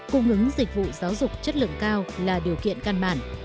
cung ứng dịch vụ giáo dục chất lượng cao là điều kiện căn bản